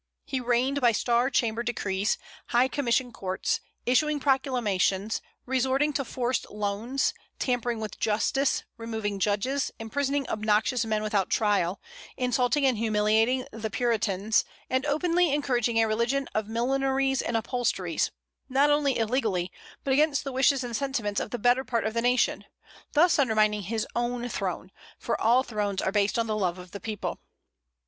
He reigned by Star Chamber decrees, High commission courts, issuing proclamations, resorting to forced loans, tampering with justice, removing judges, imprisoning obnoxious men without trial, insulting and humiliating the Puritans, and openly encouraging a religion of "millineries and upholsteries," not only illegally, but against the wishes and sentiments of the better part of the nation, thus undermining his own throne; for all thrones are based on the love of the people.